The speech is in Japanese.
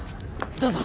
どうぞ。